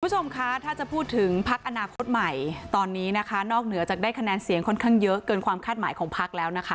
คุณผู้ชมคะถ้าจะพูดถึงพักอนาคตใหม่ตอนนี้นะคะนอกเหนือจากได้คะแนนเสียงค่อนข้างเยอะเกินความคาดหมายของพักแล้วนะคะ